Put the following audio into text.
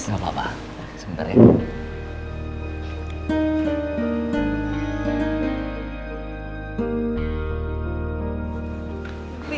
gak ada seninbel ini